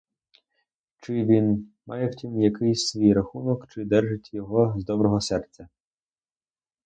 Чи він має в тім якийсь свій рахунок, чи держить його з доброго серця?